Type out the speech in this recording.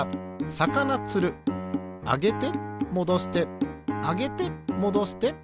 あげてもどしてあげてもどしてさかなつる。